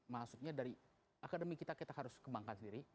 maksudnya dari akademi kita kita harus kembangkan sendiri